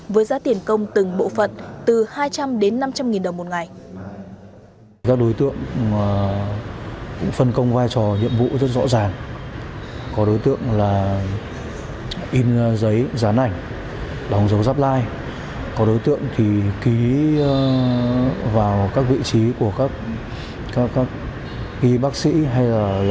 với giá tiền công từng bộ phận từ hai trăm linh đến năm trăm linh nghìn đồng một ngày